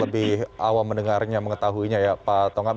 lebih awal mendengarnya mengetahuinya ya pak tongam